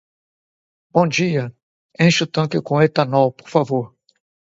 Bom dia, encha o tanque com etanol, por favor.